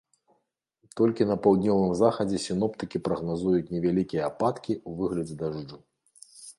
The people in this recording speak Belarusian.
Толькі на паўднёвым захадзе сіноптыкі прагназуюць невялікія ападкі ў выглядзе дажджу.